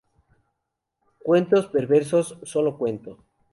Cuentos perversos", "Sólo cuento.